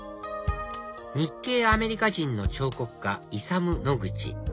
日系アメリカ人の彫刻家イサム・ノグチ